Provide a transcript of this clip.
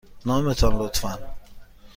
نام تان، لطفاً.